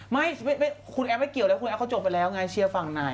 ไม่คุณแอฟไม่เกี่ยวเลยคุณแอฟเขาจบไปแล้วไงเชียร์ฝั่งไหน